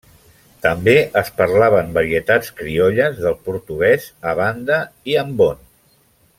També es parlaven varietats criolles del portuguès a Banda i Ambon.